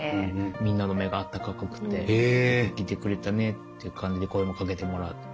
みんなの目が温かくってよく来てくれたねっていう感じで声もかけもらったので。